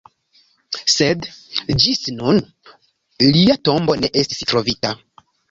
Sed ĝis nun lia tombo ne estis trovita.